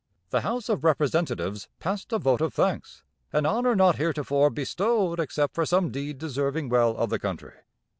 The House of Representatives passed a vote of thanks, an honor not heretofore bestowed except for some deed deserving well of the country.